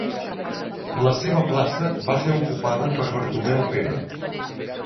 La seva plaça va ser ocupada per Bartomeu Pérez.